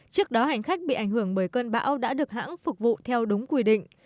trước đó hành khách bị ảnh hưởng bởi cơn bão đã được hãng phục vụ theo đúng quy định